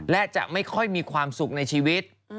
และจะไม่ค่อยมีความสุขในชีวิต